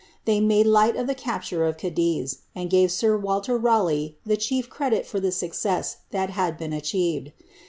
They made light of the capture of Oadiz, and lir Walter Raleigh the chief credit for the success that had been red.